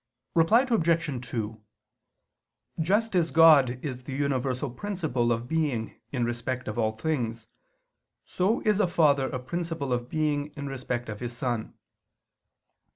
Reply Obj. 2: Just as God is the universal principle of being in respect of all things, so is a father a principle of being in respect of his son.